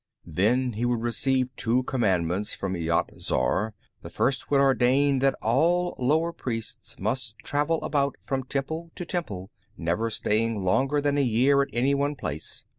Then he would receive two commandments from Yat Zar. The first would ordain that all lower priests must travel about from temple to temple, never staying longer than a year at any one place.